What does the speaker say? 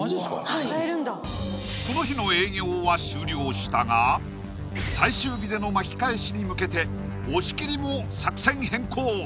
はいこの日の営業は終了したが最終日での巻き返しに向けて押切も作戦変更！